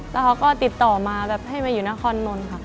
แล้วเขาก็ติดต่อมาแบบให้มาอยู่นครนนท์ค่ะ